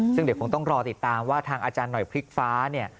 ซึ่งเดี๋ยวคงต้องรอติดตามว่าทางอาจารย์หน่อยพลิกฟ้าเนี่ย